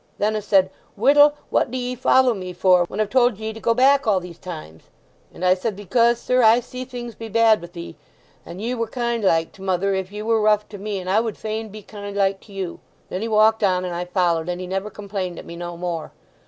Then 'a said, 'Whittle, what do ye follow me for when I've told ye to go back all these times?' And I said, 'Because, sir, I see things be bad with 'ee, and ye wer kind like to mother if ye wer rough to me, and I would fain be kind like to you.' Then he walked on, and I followed; and he never complained at me no more.